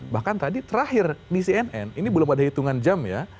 bahkan tadi terakhir di cnn ini belum ada hitungan jam ya